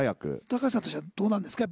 隆さんとしてはどうなんですか？